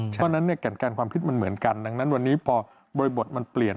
เพราะฉะนั้นการความคิดมันเหมือนกันดังนั้นวันนี้พอบริบทมันเปลี่ยน